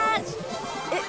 えっ？